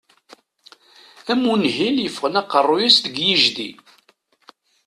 Am unhil yeffren aqerruy-is deg yijdi.